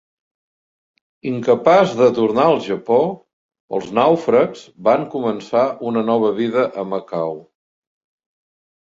Incapaç de tornar al Japó, els nàufrags van començar una nova vida a Macau.